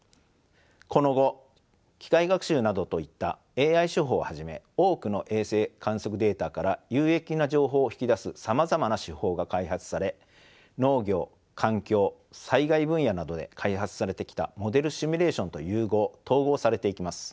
この後機械学習などといったＡＩ手法をはじめ多くの衛星観測データから有益な情報を引き出すさまざまな手法が開発され農業環境災害分野などで開発されてきたモデルシミュレーションと融合統合されていきます。